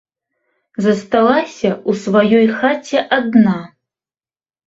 Засталася ў сваёй хаце адна.